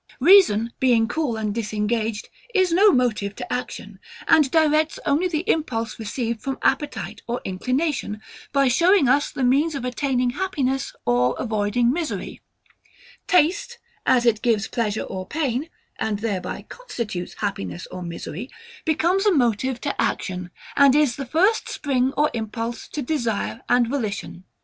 Reason being cool and disengaged, is no motive to action, and directs only the impulse received from appetite or inclination, by showing us the means of attaining happiness or avoiding misery: Taste, as it gives pleasure or pain, and thereby constitutes happiness or misery, becomes a motive to action, and is the first spring or impulse to desire and volition.